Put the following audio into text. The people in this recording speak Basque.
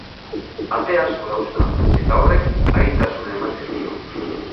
Ate asko dauzka, eta horrek arintasuna ematen dio.